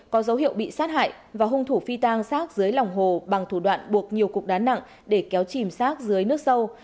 có dấu hiệu bị sát hại và hung thủ phi tang sát dưới lòng hồ bằng thủ đoạn buộc nhiều cục đá nặng để kéo chìm sát dưới nước sâu